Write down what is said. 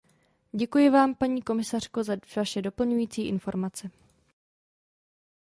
Děkuji vám, paní komisařko, za vaše doplňující informace.